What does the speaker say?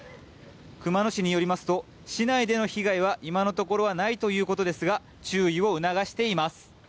熊野市によりますと市内での被害は今のところはないということですが注意を促しています。